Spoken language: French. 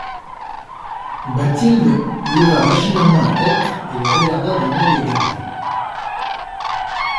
Bathilde leva machinalement la tête et les regarda d'un oeil égaré.